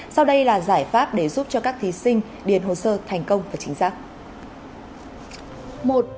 sau đây là giải pháp để giúp cho các thí sinh điền hồ sơ thành công và chính xác